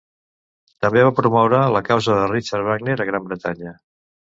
També va promoure la causa de Richard Wagner a Gran Bretanya.